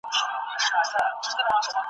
او ارواښاد سلیمان لایق یې .